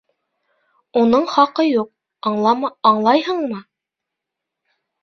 Уның хаҡы юҡ, аңлайһыңмы?